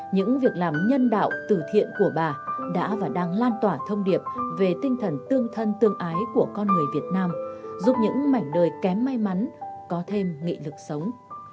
những việc làm nhân đạo tử thiện của bà đã và đang lan tỏa thông điệp về tinh thần tương thân tương ái của con người việt nam giúp những mảnh đời kém may mắn có thêm nghị lực sống